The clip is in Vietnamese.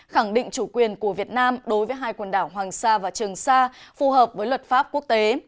khẳng định chủ quyền của việt nam đối với hai quần đảo hoàng sa và trường sa phù hợp với luật pháp quốc tế